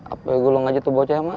apoy gulung aja tuh bocah mak